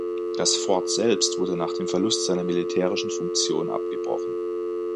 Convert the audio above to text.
Das Fort selbst wurde nach dem Verlust seiner militärischen Funktion abgebrochen.